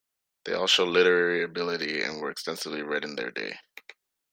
They all show literary ability and were extensively read in their day.